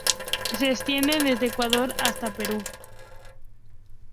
Se extiende desde Ecuador hasta el Perú.